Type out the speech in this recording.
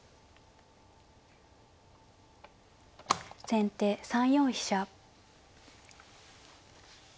先手３四飛車。